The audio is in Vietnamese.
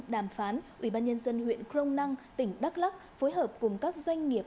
đàm phán ubnd huyện kronang tỉnh đắk lắc phối hợp cùng các doanh nghiệp